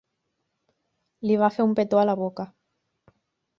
Li va fer un petó a la boca.